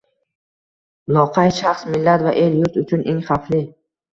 Loqayd shaxs- millat va el-yurt uchun eng xavfli